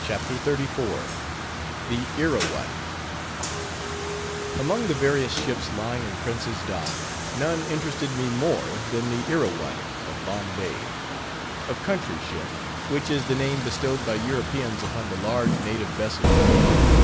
CHAPTER XXXIV. THE IRRAWADDY Among the various ships lying in Prince's Dock, none interested me more than the Irrawaddy, of Bombay, a "country ship," which is the name bestowed by Europeans upon the large native vessels of India.